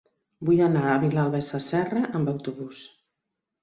Vull anar a Vilalba Sasserra amb autobús.